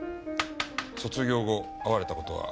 卒業後会われた事は？